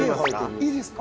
いいですか？